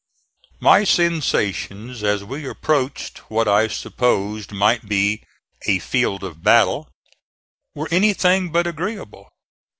My sensations as we approached what I supposed might be "a field of battle" were anything but agreeable.